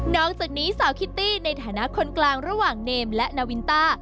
จากนี้สาวคิตตี้ในฐานะคนกลางระหว่างเนมและนาวินต้า